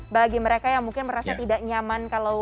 bagi mereka yang mungkin merasa tidak nyaman kalau